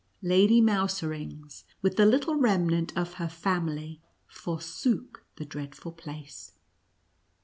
Lady Mousering;s, with the little remnant of her fam ily, forsook the dreadful place.